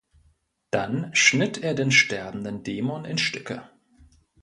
Dann schnitt er den sterbenden Dämon in Stücke.